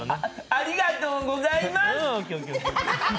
ありがとうございます！